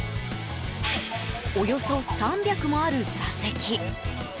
およそ３００もある座席。